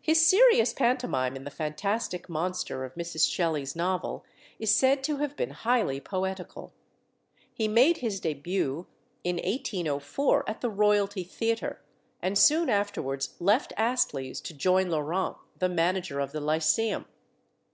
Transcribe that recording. His serious pantomime in the fantastic monster of Mrs. Shelley's novel is said to have been highly poetical. He made his début in 1804, at the Royalty Theatre, and soon afterwards left Astley's to join Laurent, the manager of the Lyceum.